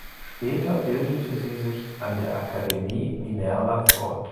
Später bildete sie sich an der "Academie Minerva" fort.